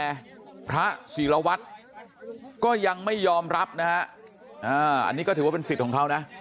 แต่พระศิรวัตรก็ยังไม่ยอมรับนะฮะอันนี้ก็ถือว่าเป็นสิทธิ์ของเขานะ